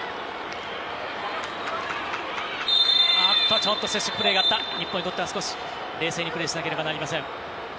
ちょっと接触プレーがあった日本にとっては少し冷静にプレーしないといけません。